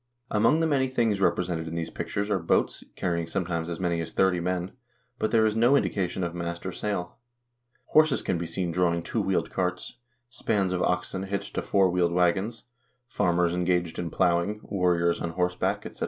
Among the many things represented in these pictures are boats, carrying sometimes as many as thirty men, but there is no indication of mast or sail. Horses can be seen drawing two wheeled carts, spans of oxen hitched to four wheeled wagons, farmers engaged in ploughing, warriors on horseback, etc.